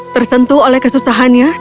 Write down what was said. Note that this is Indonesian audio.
tersentuh oleh kesusahannya